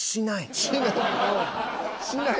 「しない」。